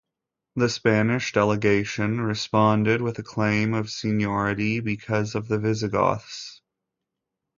The Spanish delegation responded with a claim of seniority because of the Visigoths.